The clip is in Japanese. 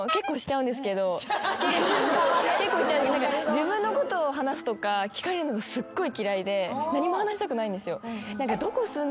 自分のことを話すとか聞かれるのがすっごい嫌いで何も話したくないんですよ。